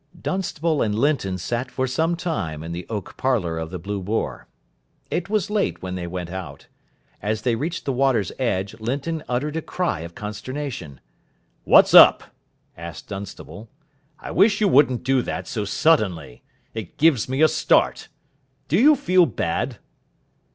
Dunstable and Linton sat for some time in the oak parlour of the "Blue Boar". It was late when they went out. As they reached the water's edge Linton uttered a cry of consternation. "What's up?" asked Dunstable. "I wish you wouldn't do that so suddenly. It gives me a start. Do you feel bad?"